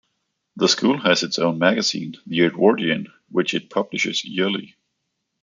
The school has its own magazine, "The Edwardian", which it publishes yearly.